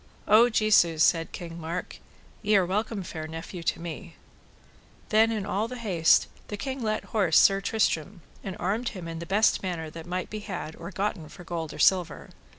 O Jesu, said King Mark, ye are welcome fair nephew to me. Then in all the haste the king let horse Sir Tristram, and armed him in the best manner that might be had or gotten for gold or silver.